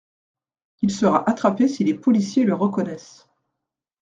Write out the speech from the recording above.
Il sera attrapé si les policiers le reconnaissent.